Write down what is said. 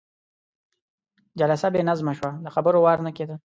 جلسه بې نظمه شوه، د خبرو وار نه کېده.